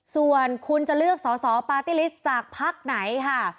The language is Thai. ส่วนคุณจะเลือกสอสอปาร์ตี้ลิสต์จากพักไหนค่ะ